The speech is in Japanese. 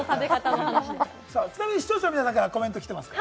ちなみに視聴者の皆さんからコメント来てますか？